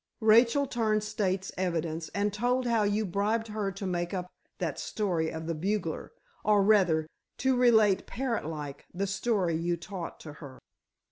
Rachel turned state's evidence and told how you bribed her to make up that story of the bugler—or rather, to relate parrot like—the story you taught to her."